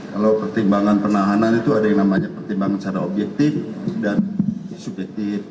kalau pertimbangan penahanan itu ada yang namanya pertimbangan secara objektif dan subjektif